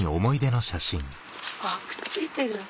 あくっついてる。